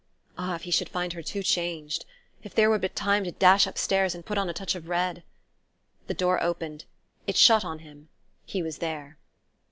Ah, if he should find her too changed ! If there were but time to dash upstairs and put on a touch of red.... The door opened; it shut on him; he was there.